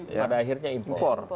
pada akhirnya impor